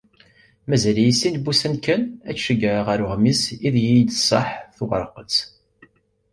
Mazal-iyi sin wussan kan ad tt-ceyyɛeɣ ɣer uɣmis ideg iyi-d-tṣaḥ twerqet.